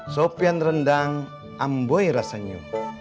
sopian rendang amboi rasanya